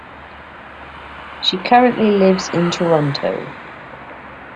She currently lives in Toronto.